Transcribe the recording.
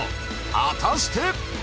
［果たして］